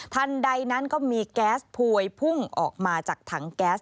ทันใดนั้นก็มีแก๊สพวยพุ่งออกมาจากถังแก๊ส